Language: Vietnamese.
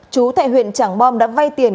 chú tại huyện trảng bom đã vay tiền